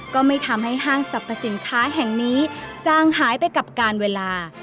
ก็ไม่ทำให้ห้างสรรพสินค้าแห่งนี้จางหายไปกับการเวลา